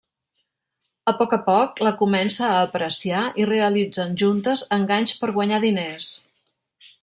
A poc a poc, la comença a apreciar, i realitzen juntes enganys per guanyar diners.